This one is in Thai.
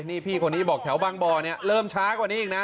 นี่พี่คนนี้บอกแถวบางบ่อเนี่ยเริ่มช้ากว่านี้อีกนะ